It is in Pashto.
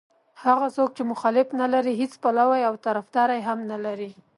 هغه څوک چې مخالف نه لري هېڅ پلوی او طرفدار هم نه لري.